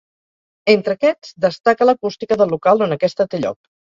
Entre aquests destaca l'acústica del local on aquesta té lloc.